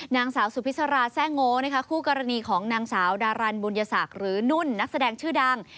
นางสาวสุพิษราแซ่งโง่นะคะคู่กรณีของนางสาวดารันบุญยศักดิ์หรือนุ่นนักแสดงชื่อดัง